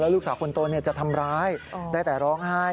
ลูกสาวคนโตจะทำร้ายได้แต่ร้องไห้